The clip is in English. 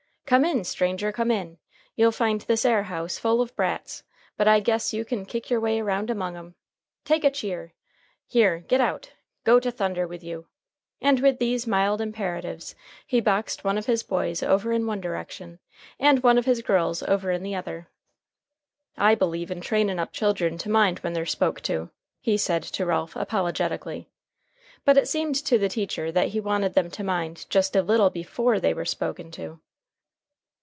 "Come in, stranger, come in. You'll find this 'ere house full of brats, but I guess you kin kick your way around among 'em. Take a cheer. Here, git out! go to thunder with you!" And with these mild imperatives he boxed one of his boys over in one direction and one of his girls over in the other. "I believe in trainin' up children to mind when they're spoke to," he said to Ralph apologetically. But it seemed to the teacher that he wanted them to mind just a little before they were spoken to.